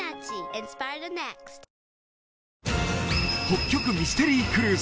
北極ミステリー